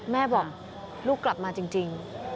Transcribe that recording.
แม่บอกลูกกลับมาจริง